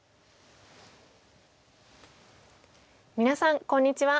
皆さんこんにちは。